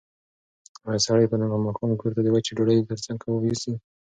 ایا سړی به نن ماښام کور ته د وچې ډوډۍ تر څنګ کباب یوسي؟